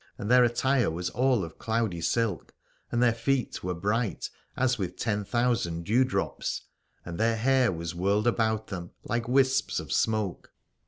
And their attire was all of cloudy silk, and their feet were bright as with ten thousand dew drops : and their hair was whirled about them like wisps of smoke.